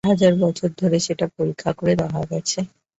হাজার হাজার বছর ধরে সেটা পরীক্ষা করে দেখা গেছে।